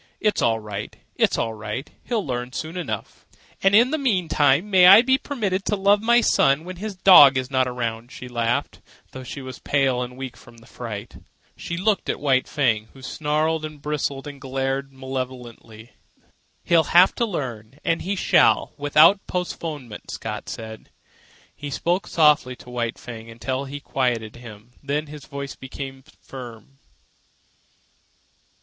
It's all right. It's all right. He'll learn soon enough." "And in the meantime I may be permitted to love my son when his dog is not around," she laughed, though she was pale and weak from the fright. She looked at White Fang, who snarled and bristled and glared malevolently. "He'll have to learn, and he shall, without postponement," Scott said. He spoke softly to White Fang until he had quieted him, then his voice became firm.